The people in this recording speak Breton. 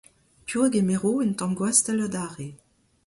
Piv a gemero un tamm gwasell adarre ?